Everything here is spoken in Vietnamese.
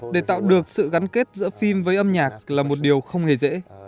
để tạo được sự gắn kết giữa phim với âm nhạc là một điều không hề dễ